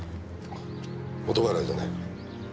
元払いだね？